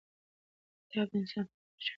کتاب د انسان فکر روښانه کوي.